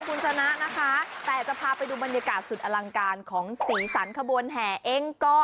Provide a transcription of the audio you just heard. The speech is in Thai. คุณชนะนะคะแต่จะพาไปดูบรรยากาศสุดอลังการของสีสันขบวนแห่เองก็